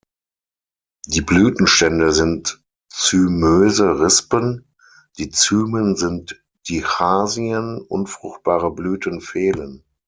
Die Blütenstände sind zymöse Rispen, die Zymen sind Dichasien, unfruchtbare Blüten fehlen.